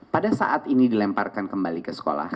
pada saat ini dilemparkan kembali ke sekolah